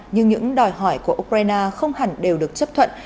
nhưng những đòi hỏi của ukraine không hẳn đều được chấp thuận